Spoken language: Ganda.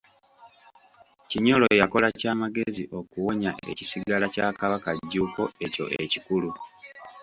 Kinyolo yakola kya magezi okuwonya ekisigala kya Kabaka Jjuuko ekyo ekikulu.